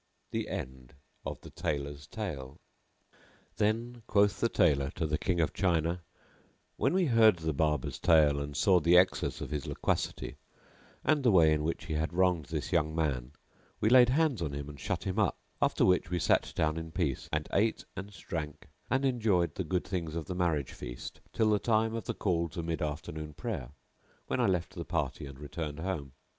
The End of the Tailor's Tale. Then quoth the Tailor to the King of China: When we heard the Barber's tale and saw the excess of his loquacity and the way in which he had wronged this young man, we laid hands on him and shut him up, after which we sat down in peace, and ate and drank and enjoyed the good things of the marriage feast till the time of the call to mid afternoon prayer, when I left the party and returned home.